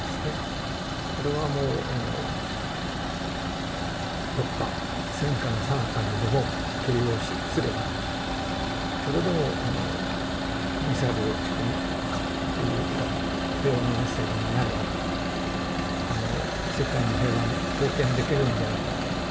これはもうどっか戦火のさなかにでも掲揚すればそれでもあのミサイルを撃ち込むかっていうぐらい平和のメッセージになればあの世界の平和に貢献できるんじゃないかと。